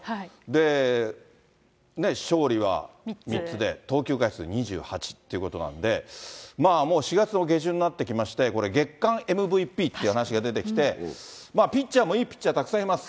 で、勝利は３つで、投球回数２８っていうことなんで、まあ、もう４月の下旬になってきまして、これ、月間ＭＶＰっていう話が出てきて、ピッチャーもいいピッチャーたくさんいます。